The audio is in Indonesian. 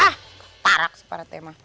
ah keparak separa tema